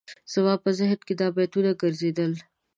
زما په ذهن کې دا بیتونه ګرځېدل.